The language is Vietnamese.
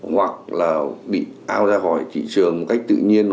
hoặc là bị ao ra khỏi thị trường một cách tự nhiên